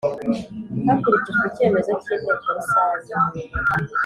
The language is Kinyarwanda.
hakurikijwe icyemezo cy inteko rusange